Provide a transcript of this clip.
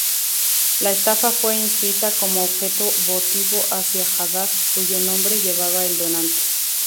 La estatua fue inscrita como objeto votivo hacia Hadad, cuyo nombre llevaba el donante.